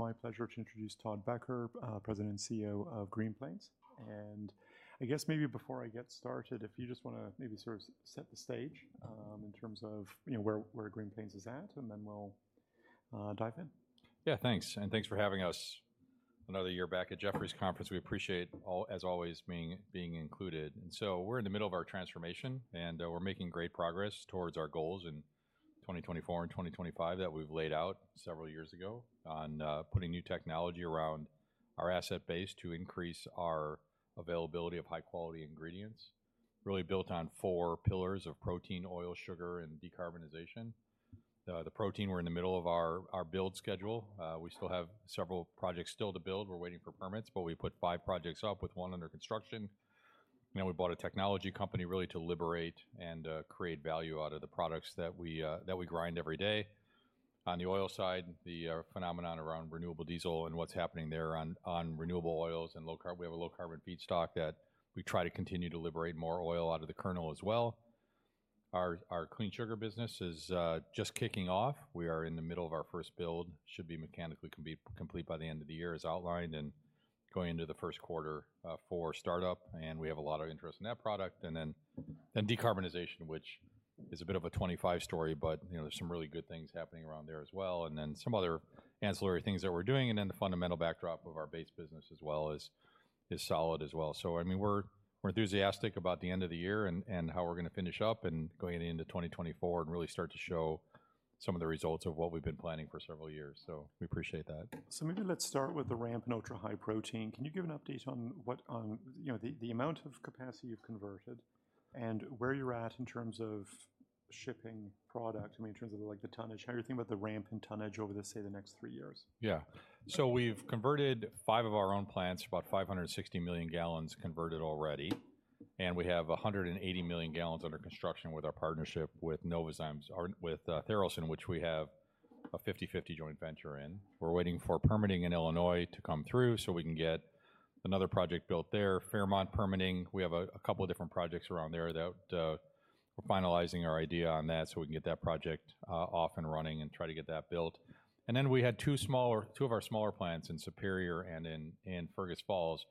It's my pleasure to introduce Todd Becker, President and CEO of Green Plains. I guess maybe before I get started, if you just wanna maybe sort of set the stage, in terms of, you know, where Green Plains is at, and then we'll dive in. Yeah, thanks, and thanks for having us another year back at Jefferies Conference. We appreciate, as always, being included. So we're in the middle of our transformation, and we're making great progress towards our goals in 2024 and 2025 that we've laid out several years ago on putting new technology around our asset base to increase our availability of high-quality ingredients, really built on 4 pillars of protein, oil, sugar, and decarbonization. The protein, we're in the middle of our build schedule. We still have several projects still to build. We're waiting for permits, but we put five projects up with 1 under construction. Then we bought a technology company really to liberate and create value out of the products that we grind every day. On the oil side, the phenomenon around renewable diesel and what's happening there on renewable oils and low-carbon—we have a low-carbon feedstock that we try to continue to liberate more oil out of the kernel as well. Our clean sugar business is just kicking off. We are in the middle of our first build. Should be mechanically complete by the end of the year, as outlined, and going into the first quarter for startup, and we have a lot of interest in that product. And then decarbonization, which is a bit of a 25 story, but you know, there's some really good things happening around there as well, and then some other ancillary things that we're doing, and then the fundamental backdrop of our base business as well is solid as well. So, I mean, we're, we're enthusiastic about the end of the year and, and how we're gonna finish up and going into 2024 and really start to show some of the results of what we've been planning for several years. So we appreciate that. So maybe let's start with the ramp in Ultra-High Protein. Can you give an update on what, you know, the, the amount of capacity you've converted and where you're at in terms of shipping product, I mean, in terms of, like, the tonnage? How are you thinking about the ramp in tonnage over the, say, the next three years? Yeah. So we've converted five of our own plants, about 560 million gallons converted already, and we have 180 million gallons under construction with our partnership with Novozymes, or with Tharaldson, which we have a 50/50 joint venture in. We're waiting for permitting in Illinois to come through, so we can get another project built there. Fairmont permitting, we have a couple different projects around there that we're finalizing our idea on that, so we can get that project off and running and try to get that built. And then we had two of our smaller plants in Superior and in Fergus Falls,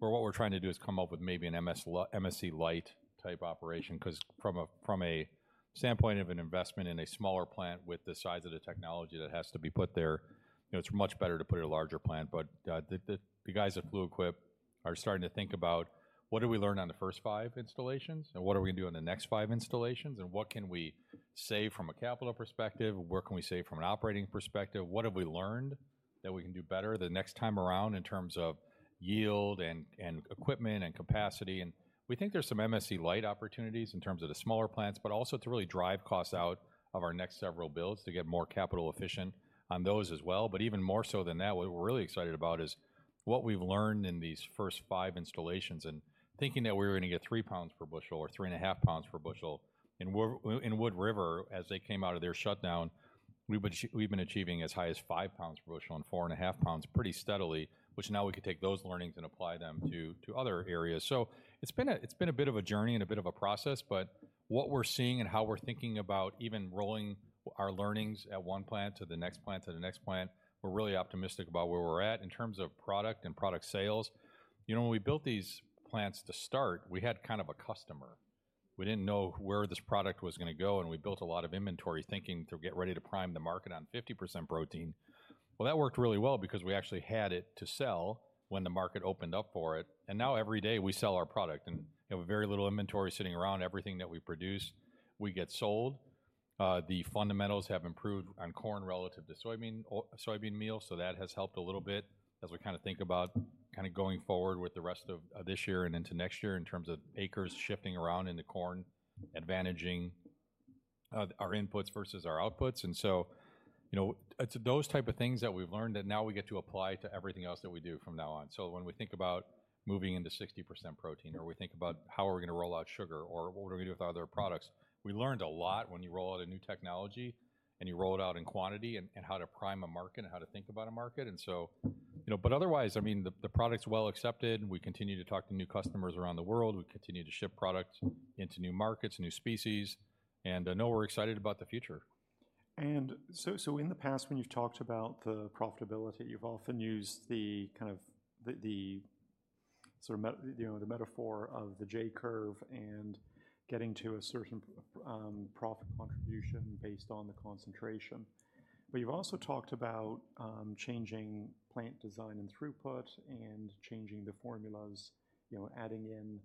where what we're trying to do is come up with maybe an MSC light-type operation, 'cause from a standpoint of an investment in a smaller plant with the size of the technology that has to be put there, you know, it's much better to put a larger plant. But the guys at Fluid Quip are starting to think about what did we learn on the first 5 installations, and what are we gonna do on the next five installations, and what can we save from a capital perspective? What can we save from an operating perspective? What have we learned that we can do better the next time around in terms of yield and equipment and capacity? We think there's some MSC light opportunities in terms of the smaller plants, but also to really drive costs out of our next several builds to get more capital efficient on those as well. But even more so than that, what we're really excited about is what we've learned in these first five installations. And thinking that we were gonna get 3 pounds per bushel or 3.5 pounds per bushel, in Wood River, as they came out of their shutdown, we've been achieving as high as five pounds per bushel and 4.5 pounds pretty steadily, which now we can take those learnings and apply them to other areas. So it's been a bit of a journey and a bit of a process, but what we're seeing and how we're thinking about even rolling with our learnings at one plant to the next plant, to the next plant, we're really optimistic about where we're at in terms of product and product sales. You know, when we built these plants to start, we had kind of a customer. We didn't know where this product was gonna go, and we built a lot of inventory thinking to get ready to prime the market on 50% protein. Well, that worked really well because we actually had it to sell when the market opened up for it, and now every day we sell our product, and we have very little inventory sitting around. Everything that we produce, we get sold. The fundamentals have improved on corn relative to soybean meal, so that has helped a little bit as we kinda think about kinda going forward with the rest of this year and into next year in terms of acres shifting around in the corn, advantaging our inputs versus our outputs. And so, you know, it's those type of things that we've learned that now we get to apply to everything else that we do from now on. So when we think about moving into 60% protein, or we think about how are we gonna roll out sugar, or what are we gonna do with other products, we learned a lot when you roll out a new technology and you roll it out in quantity, and how to prime a market and how to think about a market. And so, you know, but otherwise, I mean, the product's well-accepted. We continue to talk to new customers around the world. We continue to ship product into new markets and new species, and no, we're excited about the future. In the past, when you've talked about the profitability, you've often used you know, the metaphor of the J Curve and getting to a certain profit contribution based on the concentration. But you've also talked about changing plant design and throughput and changing the formulas, you know, adding in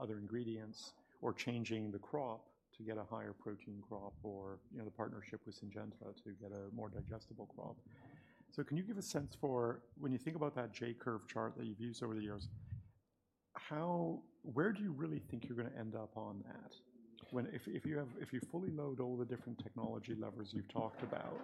other ingredients or changing the crop to get a higher protein crop or, you know, the partnership with Syngenta to get a more digestible crop. So can you give a sense for when you think about that J Curve chart that you've used over the years, how where do you really think you're gonna end up on that? If you've fully loaded all the different technology levers you've talked about,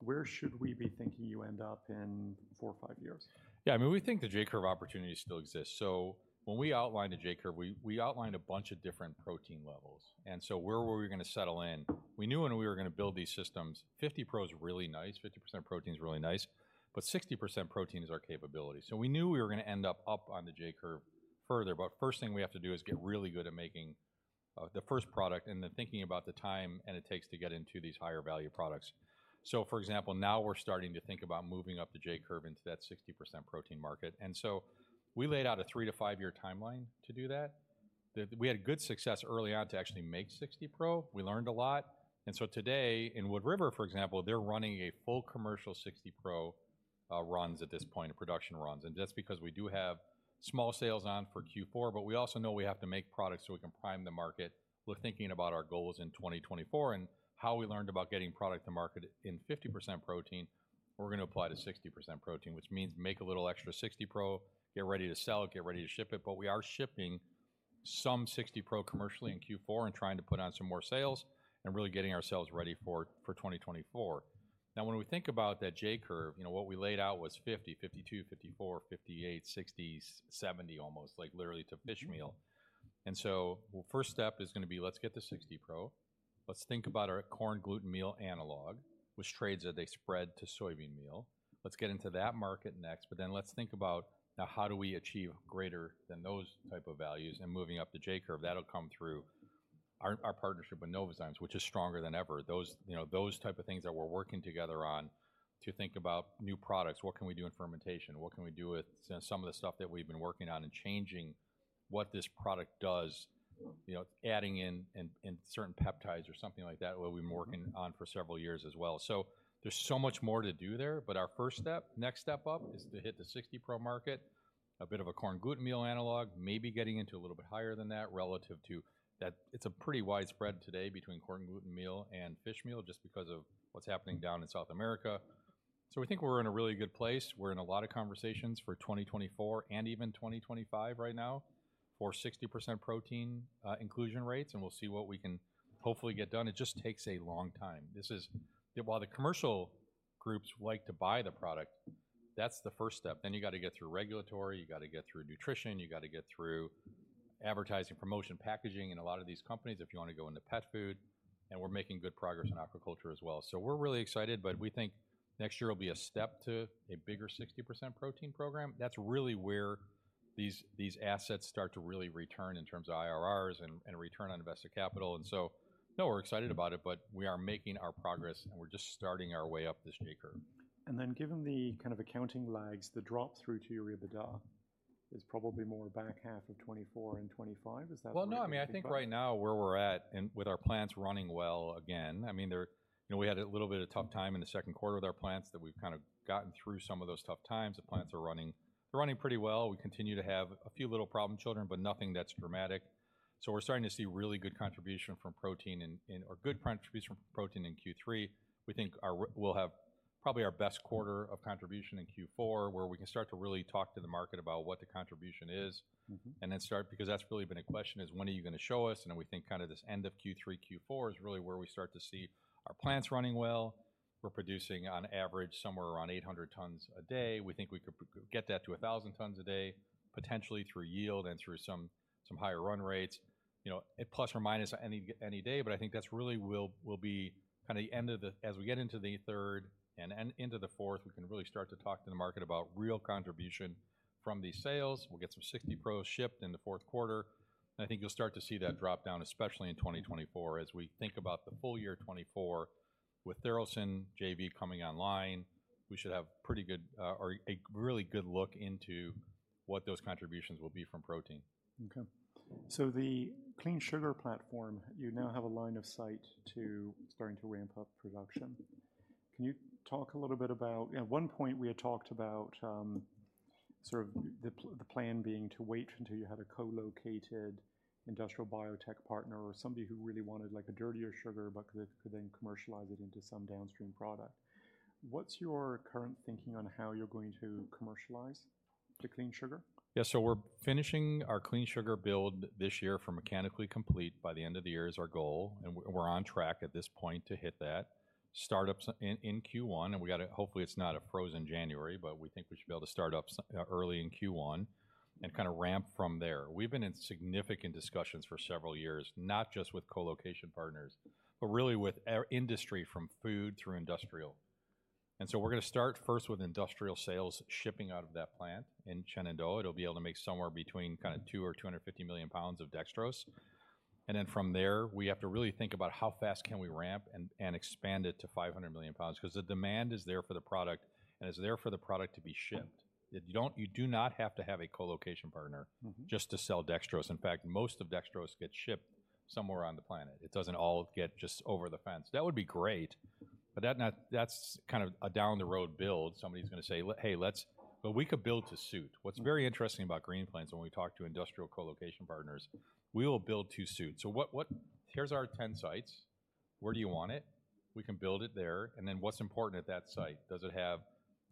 where should we be thinking you end up in four or five years? Yeah, I mean, we think the J Curve opportunity still exists. So when we outlined the J Curve, we outlined a bunch of different protein levels, and so where were we gonna settle in? We knew when we were gonna build these systems, 50 pro is really nice, 50% protein is really nice, but 60% protein is our capability. So we knew we were gonna end up up on the J Curve further, but first thing we have to do is get really good at making the first product, and then thinking about the time that it takes to get into these higher value products. So, for example, now we're starting to think about moving up the J Curve into that 60% protein market. And so we laid out a 3-5-year timeline to do that. We had good success early on to actually make 60 pro. We learned a lot, and so today, in Wood River, for example, they're running a full commercial 60 pro runs at this point, production runs. And just because we do have small sales on for Q4, but we also know we have to make products so we can prime the market. We're thinking about our goals in 2024 and how we learned about getting product to market in 50% protein, we're going to apply to 60% protein, which means make a little extra 60 pro, get ready to sell it, get ready to ship it. But we are shipping some 60 pro commercially in Q4 and trying to put on some more sales and really getting ourselves ready for 2024. Now, when we think about that J Curve, you know, what we laid out was 50, 52, 54, 58, 60, 70, almost like literally to fish meal. Mm-hmm. And so, well, first step is going to be, let's get to 60 pro. Let's think about our corn gluten meal analog, which trades at a spread to soybean meal. Let's get into that market next, but then let's think about, now, how do we achieve greater than those type of values? And moving up the J Curve, that'll come through our partnership with Novozymes, which is stronger than ever. Those, you know, those type of things that we're working together on to think about new products. What can we do in fermentation? What can we do with some of the stuff that we've been working on and changing what this product does? You know, adding in certain peptides or something like that, what we've been working- Mm-hmm... on for several years as well. So there's so much more to do there, but our first step, next step up, is to hit the 60 pro market. A bit of a corn gluten meal analog, maybe getting into a little bit higher than that, relative to that. It's a pretty wide spread today between corn gluten meal and fish meal, just because of what's happening down in South America. So we think we're in a really good place. We're in a lot of conversations for 2024 and even 2025 right now for 60% protein inclusion rates, and we'll see what we can hopefully get done. It just takes a long time. This is while the commercial groups like to buy the product, that's the first step. Then you've got to get through regulatory, you've got to get through nutrition, you've got to get through advertising, promotion, packaging in a lot of these companies, if you want to go into pet food, and we're making good progress in aquaculture as well. So we're really excited, but we think next year will be a step to a bigger 60% protein program. That's really where these, these assets start to really return in terms of IRRs and, and return on invested capital. And so, no, we're excited about it, but we are making our progress, and we're just starting our way up this J Curve. And then given the kind of accounting lags, the drop through to our EBITDA is probably more back half of 2024 and 2025. Is that- Well, no, I mean, I think right now, where we're at and with our plants running well again, I mean, they're... You know, we had a little bit of tough time in the second quarter with our plants, that we've kind of gotten through some of those tough times. The plants are running, running pretty well. We continue to have a few little problem children, but nothing that's dramatic. So we're starting to see really good contribution from protein in, in-- or good contribution from protein in Q3. We think our, we'll have probably our best quarter of contribution in Q4, where we can start to really talk to the market about what the contribution is. Mm-hmm. Because that's really been a question, is, "When are you going to show us?" And we think kind of this end of Q3, Q4 is really where we start to see our plants running well. We're producing on average, somewhere around 800 tons a day. We think we could get that to 1,000 tons a day, potentially through yield and through some higher run rates. You know, at ± any day, but I think that's really will be kind of the end of the. As we get into the third and into the fourth, we can really start to talk to the market about real contribution from these sales. We'll get some 60 pro shipped in the fourth quarter. I think you'll start to see that drop down, especially in 2024, as we think about the full year 2024 with Tharaldson JV coming online. We should have pretty good, or a really good look into what those contributions will be from protein. Okay. So the Clean Sugar platform, you now have a line of sight to starting to ramp up production. Can you talk a little bit about... At one point, we had talked about, sort of the plan being to wait until you had a co-located industrial biotech partner or somebody who really wanted, like, a dirtier sugar but could then commercialize it into some downstream product. What's your current thinking on how you're going to commercialize the Clean Sugar? Yeah, so we're finishing our Clean Sugar build this year for mechanically complete by the end of the year is our goal, and we're on track at this point to hit that. Start up some in Q1, and hopefully, it's not a frozen January, but we think we should be able to start up some early in Q1 and kind of ramp from there. We've been in significant discussions for several years, not just with co-location partners, but really with our industry, from food through industrial. And so we're going to start first with industrial sales, shipping out of that plant in Shenandoah. It'll be able to make somewhere between kind of 200 or 250 million pounds of dextrose. And then from there, we have to really think about how fast can we ramp and expand it to 500 million pounds, because the demand is there for the product and is there for the product to be shipped. You don't, you do not have to have a co-location partner- Mm-hmm Just to sell dextrose. In fact, most of dextrose gets shipped somewhere on the planet. It doesn't all get just over the fence. That would be great, but that's not. That's kind of a down the road build. Somebody's going to say: hey, let's. But we could build to suit. Mm. What's very interesting about Green Plains, when we talk to industrial co-location partners, we will build to suit. So what-- Here's our 10 sites. Where do you want it? We can build it there. And then what's important at that site? Does it have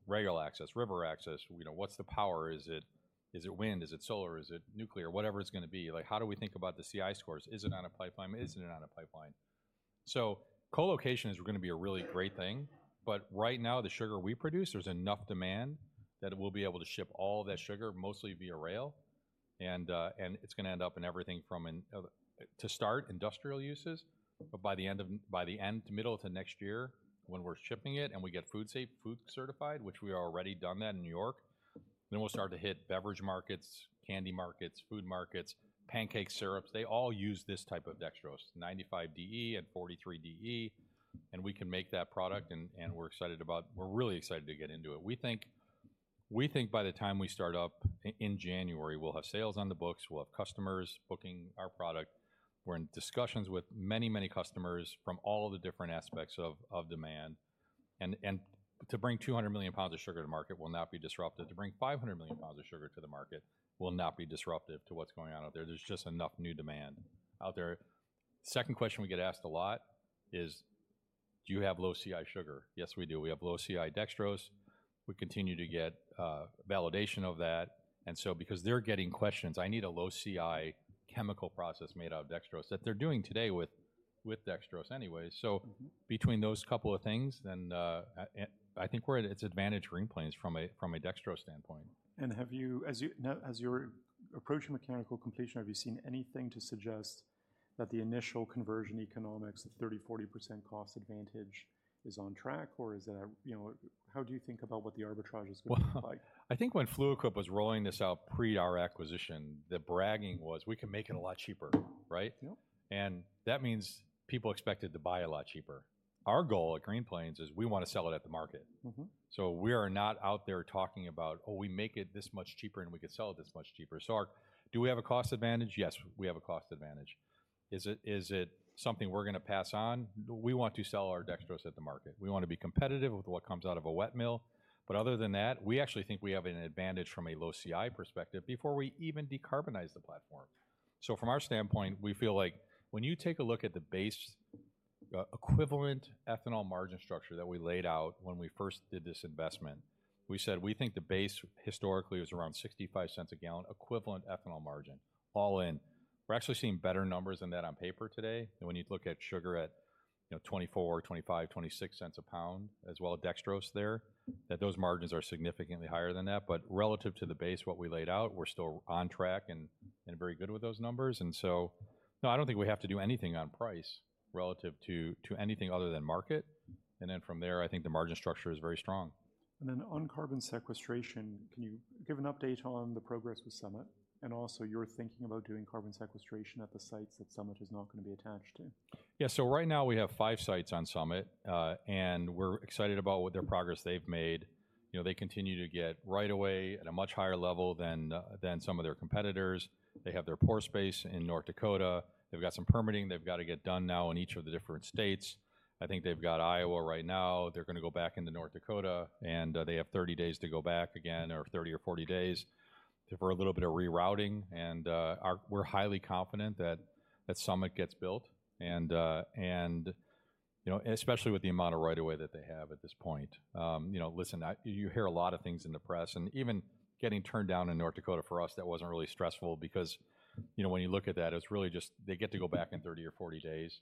rail access, river access? You know, what's the power? Is it wind? Is it solar? Is it nuclear? Whatever it's going to be, like, how do we think about the CI scores? Is it on a pipeline? Isn't it on a pipeline? So co-location is going to be a really great thing, but right now, the sugar we produce, there's enough demand that we'll be able to ship all that sugar, mostly via rail. It's going to end up in everything from, to start, industrial uses, but by the end to middle of next year, when we're shipping it and we get food safe, food certified, which we have already done that in New York, then we'll start to hit beverage markets, candy markets, food markets, pancake syrups. They all use this type of dextrose, 95 DE and 43 DE. We can make that product, and we're excited about—we're really excited to get into it. We think by the time we start up in January, we'll have sales on the books, we'll have customers booking our product. We're in discussions with many, many customers from all of the different aspects of demand, and to bring 200 million pounds of sugar to market will not be disruptive. To bring 500 million pounds of sugar to the market will not be disruptive to what's going on out there. There's just enough new demand out there. Second question we get asked a lot is: do you have low CI sugar? Yes, we do. We have low CI dextrose. We continue to get validation of that. And so because they're getting questions, "I need a low CI chemical process made out of dextrose," that they're doing today with dextrose anyway. So- Mm-hmm. Between those couple of things, then, I think we're at its advantage Green Plains from a, from a dextrose standpoint. As you're approaching mechanical completion, have you seen anything to suggest that the initial conversion economics of 30%-40% cost advantage is on track, or is it a... You know, how do you think about what the arbitrage is going to look like? I think when Fluid Quip was rolling this out pre our acquisition, the bragging was, "We can make it a lot cheaper," right? Yep. That means people expected to buy a lot cheaper. Our goal at Green Plains is we wanna sell it at the market. Mm-hmm. So we are not out there talking about, "Oh, we make it this much cheaper, and we can sell it this much cheaper." So, do we have a cost advantage? Yes, we have a cost advantage. Is it, is it something we're gonna pass on? We want to sell our dextrose at the market. We wanna be competitive with what comes out of a wet mill, but other than that, we actually think we have an advantage from a low CI perspective before we even decarbonize the platform. So from our standpoint, we feel like when you take a look at the base, equivalent ethanol margin structure that we laid out when we first did this investment, we said we think the base historically was around $0.65 a gallon equivalent ethanol margin, all in. We're actually seeing better numbers than that on paper today. And when you look at sugar at, you know, $0.24-$0.26 a pound, as well as dextrose there, that those margins are significantly higher than that. But relative to the base, what we laid out, we're still on track and very good with those numbers. And so, no, I don't think we have to do anything on price relative to anything other than market. And then from there, I think the margin structure is very strong. And then on carbon sequestration, can you give an update on the progress with Summit? And also, you're thinking about doing carbon sequestration at the sites that Summit is not gonna be attached to. Yeah. So right now, we have five sites on Summit, and we're excited about what their progress they've made. You know, they continue to get right of way at a much higher level than some of their competitors. They have their pore space in North Dakota. They've got some permitting they've got to get done now in each of the different states. I think they've got Iowa right now. They're gonna go back into North Dakota, and they have 30 days to go back again, or 30 or 40 days, for a little bit of rerouting. And our- we're highly confident that that Summit gets built and, and, you know, and especially with the amount of right of way that they have at this point. You know, listen, you hear a lot of things in the press, and even getting turned down in North Dakota, for us, that wasn't really stressful because, you know, when you look at that, it's really just they get to go back in 30 or 40 days.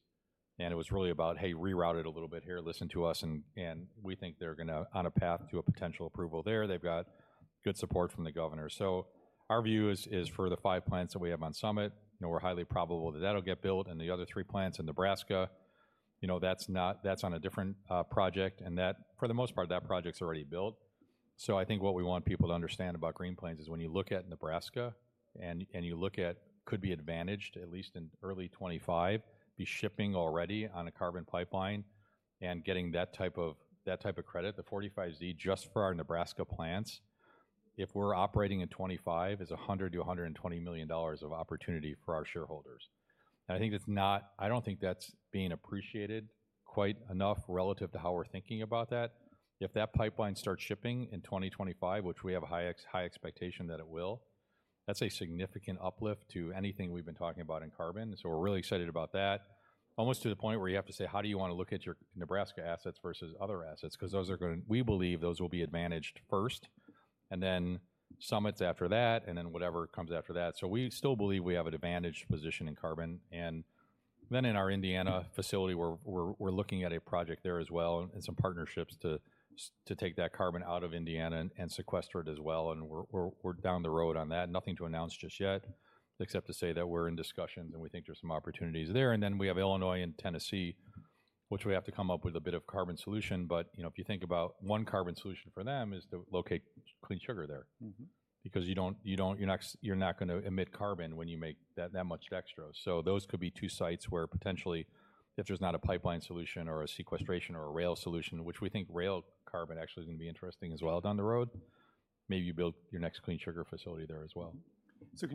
And it was really about, "Hey, reroute it a little bit here. Listen to us," and we think they're gonna on a path to a potential approval there. They've got good support from the governor. So our view is for the five plants that we have on Summit, you know, we're highly probable that that'll get built and the other 3 plants in Nebraska. You know, that's not. That's on a different project, and that, for the most part, that project's already built. So I think what we want people to understand about Green Plains is when you look at Nebraska and, and you look at could be advantaged, at least in early 2025, be shipping already on a carbon pipeline and getting that type of, that type of credit, the 45Z, just for our Nebraska plants, if we're operating in 2025, is $100-$120 million of opportunity for our shareholders. And I think that's not. I don't think that's being appreciated quite enough relative to how we're thinking about that. If that pipeline starts shipping in 2025, which we have a high expectation that it will, that's a significant uplift to anything we've been talking about in carbon. So we're really excited about that. Almost to the point where you have to say, how do you wanna look at your Nebraska assets versus other assets? Because those are gonna... We believe those will be advantaged first, and then Summit after that, and then whatever comes after that. So we still believe we have an advantaged position in carbon. And then in our Indiana facility, we're looking at a project there as well and some partnerships to take that carbon out of Indiana and sequester it as well, and we're down the road on that. Nothing to announce just yet, except to say that we're in discussions, and we think there's some opportunities there. And then we have Illinois and Tennessee, which we have to come up with a bit of carbon solution. You know, if you think about one carbon solution for them is to locate Clean Sugar there. Mm-hmm. Because you don't, you're not gonna emit carbon when you make that much dextrose. So those could be two sites where potentially, if there's not a pipeline solution or a sequestration or a rail solution, which we think rail carbon actually is gonna be interesting as well down the road, maybe you build your next Clean Sugar facility there as well. So,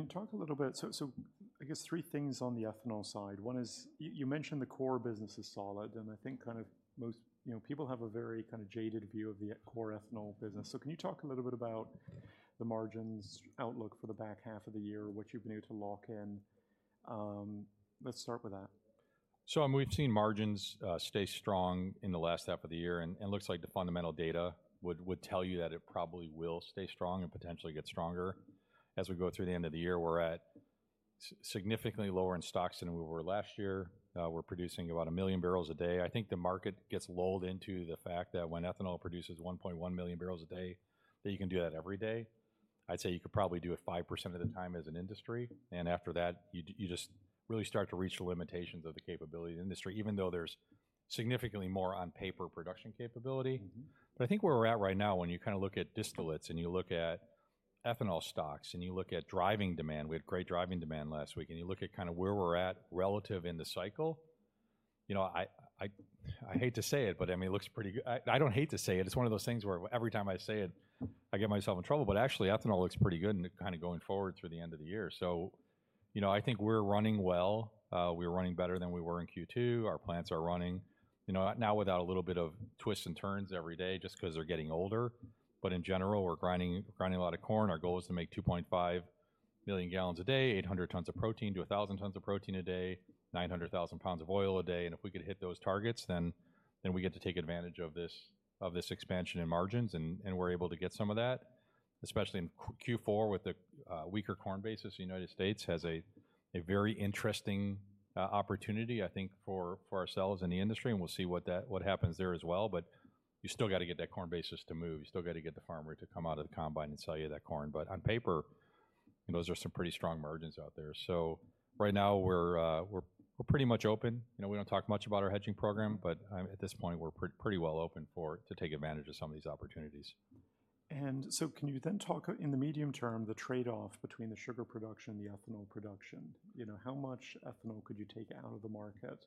I guess three things on the ethanol side. One is, you mentioned the core business is solid, and I think kind of most, you know, people have a very kind of jaded view of the core ethanol business. So can you talk a little bit about the margins outlook for the back half of the year, what you've been able to lock in? Let's start with that. So, we've seen margins stay strong in the last half of the year, and looks like the fundamental data would tell you that it probably will stay strong and potentially get stronger. As we go through the end of the year, we're at significantly lower in stocks than we were last year. We're producing about 1 million barrels a day. I think the market gets lulled into the fact that when ethanol produces 1.1 million barrels a day, that you can do that every day. I'd say you could probably do it 5% of the time as an industry, and after that, you just really start to reach the limitations of the capability of the industry, even though there's significantly more on paper production capability. Mm-hmm. But I think where we're at right now, when you kinda look at distillates, and you look at ethanol stocks and you look at driving demand, we had great driving demand last week, and you look at kind of where we're at relative in the cycle, you know, I hate to say it, but I mean, it looks pretty good. I don't hate to say it, it's one of those things where every time I say it, I get myself in trouble, but actually, ethanol looks pretty good in the kind of going forward through the end of the year. So, you know, I think we're running well. We're running better than we were in Q2. Our plants are running, you know, not without a little bit of twists and turns every day just 'cause they're getting older. But in general, we're grinding, grinding a lot of corn. Our goal is to make 2.5 million gallons a day, 800-1,000 tons of protein a day, 900,000 pounds of oil a day, and if we could hit those targets, then we get to take advantage of this expansion in margins, and we're able to get some of that, especially in Q4 with the weaker corn basis. The United States has a very interesting opportunity, I think, for ourselves and the industry, and we'll see what happens there as well. But you still gotta get that corn basis to move. You still gotta get the farmer to come out of the combine and sell you that corn. But on paper, you know, those are some pretty strong margins out there. So right now we're pretty much open. You know, we don't talk much about our hedging program, but at this point, we're pretty well open to take advantage of some of these opportunities. Can you then talk, in the medium term, the trade-off between the sugar production and the ethanol production? You know, how much ethanol could you take out of the market?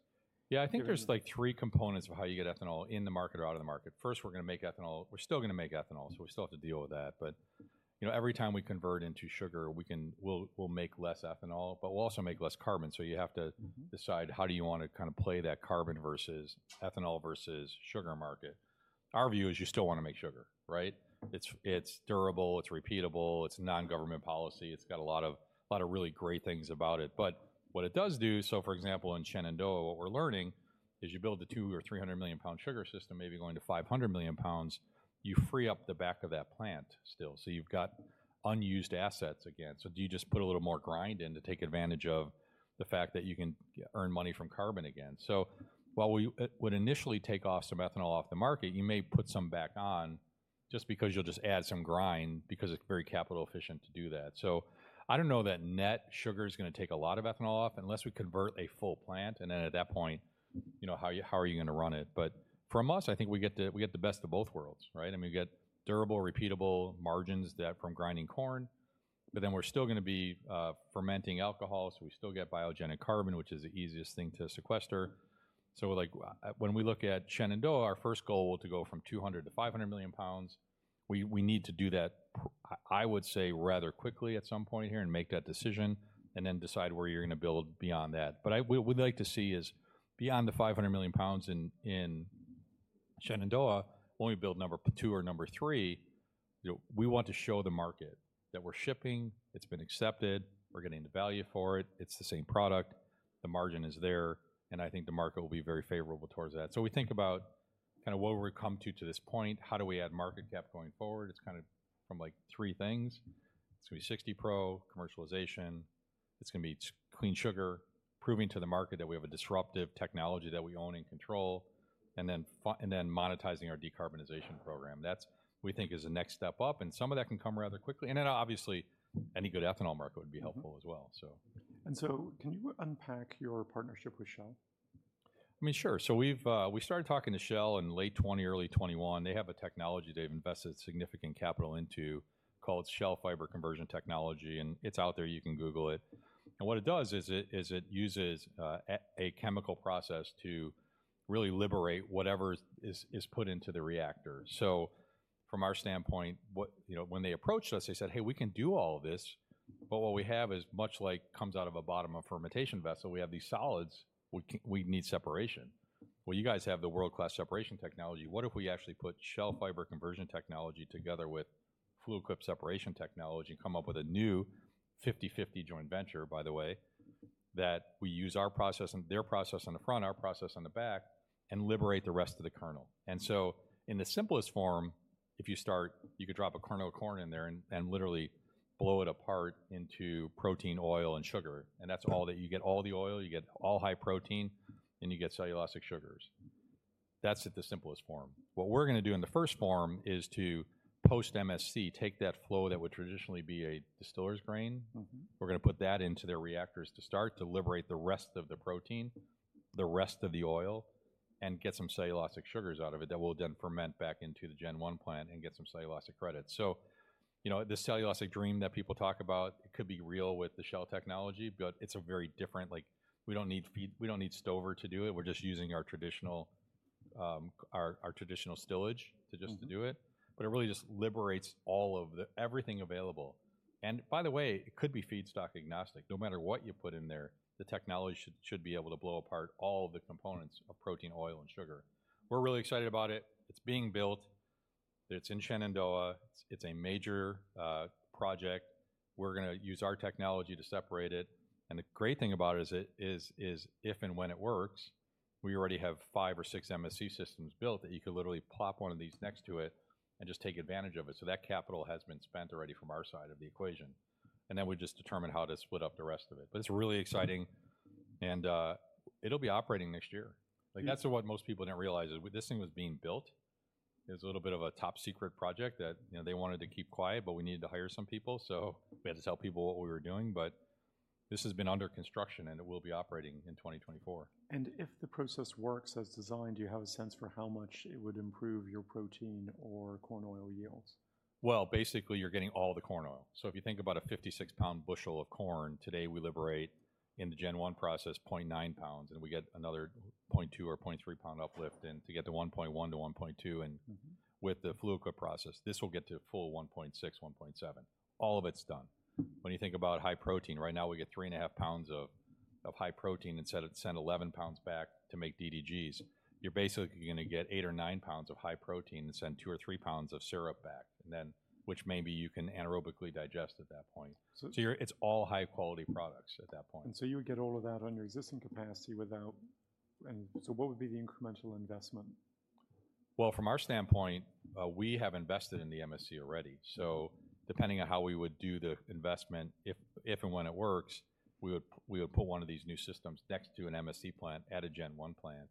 Yeah, I think there's- Do you- Like three components of how you get ethanol in the market or out of the market. First, we're gonna make ethanol. We're still gonna make ethanol, so we still have to deal with that. But, you know, every time we convert into sugar, we'll make less ethanol, but we'll also make less carbon. So you have to- Mm-hmm... decide how do you wanna kinda play that carbon versus ethanol versus sugar market? Our view is, you still wanna make sugar, right? It's, it's durable, it's repeatable, it's non-government policy. It's got a lot of, lot of really great things about it. But what it does do... So, for example, in Shenandoah, what we're learning is you build the 200-300 million pound sugar system, maybe going to 500 million pounds, you free up the back of that plant still. So you've got unused assets again. So do you just put a little more grind in to take advantage of the fact that you can earn money from carbon again? So while we would initially take off some ethanol off the market, you may put some back on just because you'll just add some grind, because it's very capital efficient to do that. So I don't know that net sugar is gonna take a lot of ethanol off unless we convert a full plant, and then at that point, you know, how you, how are you gonna run it? But from us, I think we get the, we get the best of both worlds, right? I mean, we get durable, repeatable margins that from grinding corn, but then we're still gonna be fermenting alcohol, so we still get biogenic carbon, which is the easiest thing to sequester. So like, when we look at Shenandoah, our first goal to go from 200-500 million pounds, we, we need to do that. I would say, rather quickly at some point here and make that decision, and then decide where you're gonna build beyond that. But I... What we'd like to see is, beyond the 500 million pounds in Shenandoah, when we build number two or number three, you know, we want to show the market that we're shipping, it's been accepted, we're getting the value for it, it's the same product, the margin is there, and I think the market will be very favorable towards that. So we think about kind of what we've come to this point, how do we add market cap going forward? It's kind of from, like, three things. It's gonna be 60 pro commercialization. It's gonna be clean sugar, proving to the market that we have a disruptive technology that we own and control, and then and then monetizing our decarbonization program. That's, we think, is the next step up, and some of that can come rather quickly. Obviously, any good ethanol market would be helpful- Mm-hmm... as well, so. Can you unpack your partnership with Shell? I mean, sure. So we started talking to Shell in late 2020, early 2021. They have a technology they've invested significant capital into, called Shell Fiber Conversion Technology, and it's out there, you can Google it. And what it does is it uses a chemical process to really liberate whatever is put into the reactor. So from our standpoint, what, you know, when they approached us, they said, "Hey, we can do all of this, but what we have is, much like comes out of a bottom of fermentation vessel, we have these solids. We need separation. Well, you guys have the world-class separation technology. What if we actually put Shell Fiber Conversion Technology together with Fluid Quip separation technology and come up with a new 50/50 joint venture, by the way, that we use our process on—their process on the front, our process on the back, and liberate the rest of the kernel?" And so in the simplest form, if you start, you could drop a kernel corn in there and, and literally blow it apart into protein, oil, and sugar, and that's all that... You get all the oil, you get all high protein, and you get cellulosic sugars. That's at the simplest form. What we're gonna do in the first form is to post-MSC, take that flow that would traditionally be a distiller's grain. Mm-hmm. We're gonna put that into their reactors to start to liberate the rest of the protein, the rest of the oil, and get some cellulosic sugars out of it, that will then ferment back into the Gen 1 plant and get some cellulosic credit. So, you know, this cellulosic dream that people talk about, it could be real with the Shell technology, but it's a very different... Like, we don't need feed, we don't need stover to do it. We're just using our traditional stillage to just- Mm-hmm... to do it. But it really just liberates all of the, everything available. And by the way, it could be feedstock agnostic. No matter what you put in there, the technology should be able to blow apart all the components of protein, oil, and sugar. We're really excited about it. It's being built. It's in Shenandoah. It's a major project. We're gonna use our technology to separate it, and the great thing about it is if and when it works, we already have five or six MSC systems built that you could literally plop one of these next to it and just take advantage of it. So that capital has been spent already from our side of the equation, and then we just determine how to split up the rest of it. But it's really exciting, and it'll be operating next year. Mm. Like, that's what most people didn't realize, is this thing was being built. It was a little bit of a top-secret project that, you know, they wanted to keep quiet, but we needed to hire some people, so we had to tell people what we were doing. This has been under construction, and it will be operating in 2024. If the process works as designed, do you have a sense for how much it would improve your protein or corn oil yields? Well, basically, you're getting all the corn oil. So if you think about a 56-pound bushel of corn, today, we liberate, in the Gen 1 process, 0.9 pounds, and we get another 0.2 or 0.3 pound uplift, and to get to 1.1 to 1.2, and- Mm-hmm. With the Fluker process, this will get to a full 1.6-1.7. All of it's done. When you think about high protein, right now, we get 3.5 pounds of high protein, and send 11 pounds back to make DDGS. You're basically gonna get 8 or 9 pounds of high protein, and send two or three pounds of syrup back, and then, which maybe you can anaerobically digest at that point. So- It's all high-quality products at that point. And so you would get all of that on your existing capacity without... And so what would be the incremental investment? Well, from our standpoint, we have invested in the MSC already, so depending on how we would do the investment, if and when it works, we would put one of these new systems next to an MSC plant at a Gen 1 plant.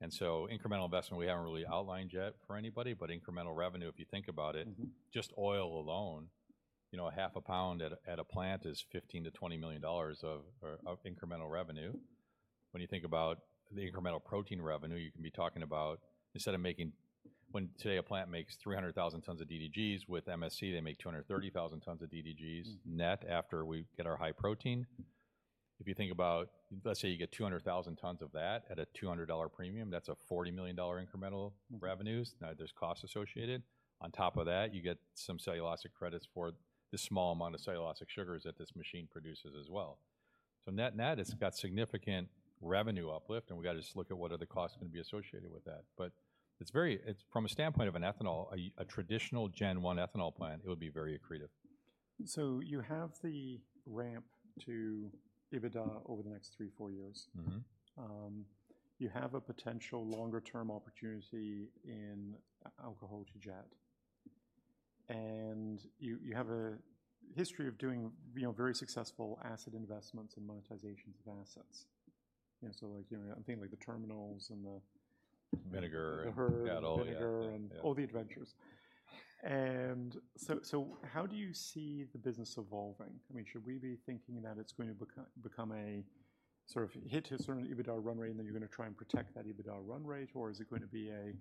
And so incremental investment, we haven't really outlined yet for anybody, but incremental revenue, if you think about it- Mm-hmm... just oil alone, you know, half a pound at a plant is $15 million-$20 million of incremental revenue. When you think about the incremental protein revenue, you can be talking about, instead of making, when today, a plant makes 300,000 tons of DDGs, with MSC, they make 230,000 tons of DDGs- Mm... net after we get our high protein. If you think about, let's say you get 200,000 tons of that at a $200 premium, that's a $40 million incremental revenues. Now, there's costs associated. On top of that, you get some cellulosic credits for the small amount of cellulosic sugars that this machine produces as well. So net-net, it's got significant revenue uplift, and we've got to just look at what are the costs going to be associated with that. But it's very-- it's, from a standpoint of an ethanol, a traditional Gen 1 ethanol plant, it would be very accretive. You have the ramp to EBITDA over the next three-four years. Mm-hmm. You have a potential longer-term opportunity in alcohol to jet, and you, you have a history of doing, you know, very successful asset investments and monetizations of assets. You know, so like, you know, I'm thinking, like, the terminals and the- Vinegar- The herd. We've got all the, yeah. All the adventures. So, so how do you see the business evolving? I mean, should we be thinking that it's going to become, become a sort of hit a certain EBITDA run rate, and then you're going to try and protect that EBITDA run rate, or is it going to be a,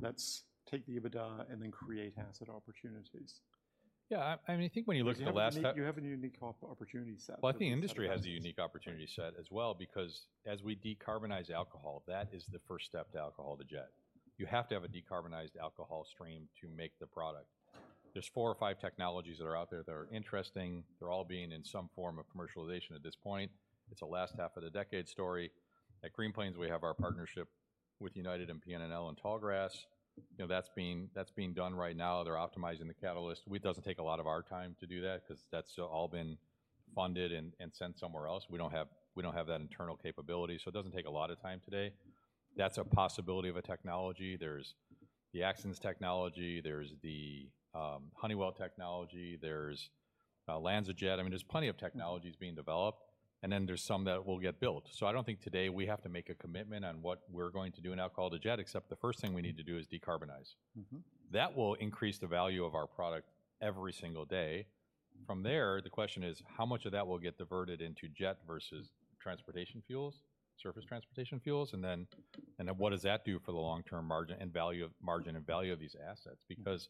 "Let's take the EBITDA and then create asset opportunities? Yeah, I, I mean, I think when you look at the last step- You have a unique opportunity set. Well, I think the industry has a unique opportunity set as well because as we decarbonize alcohol, that is the first step to alcohol to jet. You have to have a decarbonized alcohol stream to make the product. There's four or five technologies that are out there that are interesting. They're all being in some form of commercialization at this point. It's a last half of the decade story. At Green Plains, we have our partnership with United and PNNL and Tallgrass. You know, that's being, that's being done right now. They're optimizing the catalyst. We. It doesn't take a lot of our time to do that 'cause that's all been funded and, and spent somewhere else. We don't have, we don't have that internal capability, so it doesn't take a lot of time today. That's a possibility of a technology. There's the Axens technology, there's the Honeywell technology, there's LanzaJet. I mean, there's plenty of technologies being developed, and then there's some that will get built. So I don't think today we have to make a commitment on what we're going to do in alcohol-to-jet, except the first thing we need to do is decarbonize. Mm-hmm. That will increase the value of our product every single day. From there, the question is, how much of that will get diverted into jet versus transportation fuels, surface transportation fuels? And then, and then what does that do for the long-term margin and value of margin and value of these assets? Mm. Because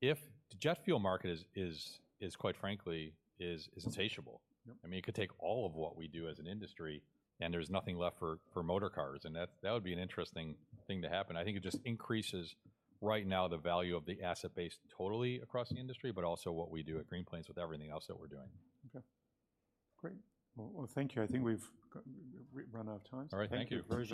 if the jet fuel market is, quite frankly, insatiable- Yep I mean, it could take all of what we do as an industry, and there's nothing left for, for motor cars, and that, that would be an interesting thing to happen. I think it just increases, right now, the value of the asset base totally across the industry, but also what we do at Green Plains with everything else that we're doing. Okay, great. Well, thank you. I think we've run out of time. All right. Thank you. Very much.